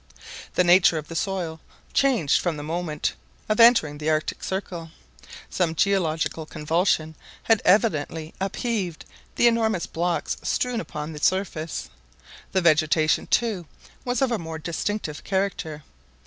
The nature of the soil changed from the moment of entering the Arctic Circle. Some geological convulsion had evidently upheaved the enormous blocks strewn upon the surface. The vegetation, too, was of a more distinctive character.